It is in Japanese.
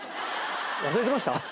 忘れてました？